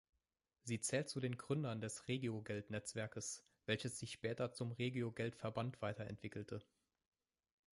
Sie zählt zu den Gründern des Regiogeld-Netzwerkes, welches sich später zum Regiogeld-Verband weiterentwickelte.